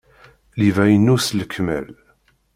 Yuba inu s lekmal.